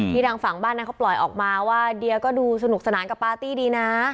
ทางฝั่งบ้านนั้นเขาปล่อยออกมาว่าเดียก็ดูสนุกสนานกับปาร์ตี้ดีนะ